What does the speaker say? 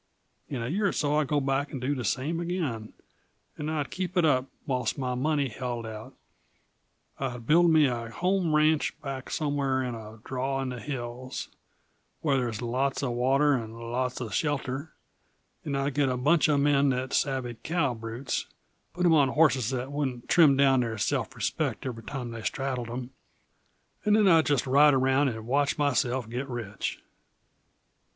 In a year or so I'd go back and do the same again, and I'd keep it up whilst my money held out I'd build me a home ranch back somewheres in a draw in the hills, where there's lots uh water and lots uh shelter, and I'd get a bunch uh men that savvied cow brutes, put 'em on horses that wouldn't trim down their self respect every time they straddled 'em, and then I'd just ride around and watch myself get rich.